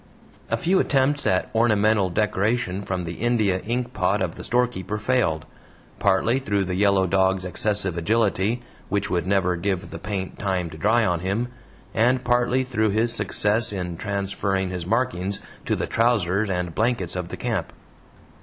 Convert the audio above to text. A few attempts at ornamental decoration from the India ink pot of the storekeeper failed, partly through the yellow dog's excessive agility, which would never give the paint time to dry on him, and partly through his success in transferring his markings to the trousers and blankets of the camp.